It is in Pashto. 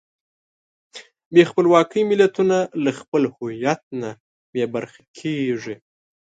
بې خپلواکۍ ملتونه له خپل هویت نه بېبرخې کېږي.